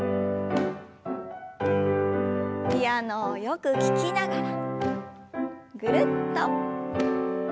ピアノをよく聞きながらぐるっと。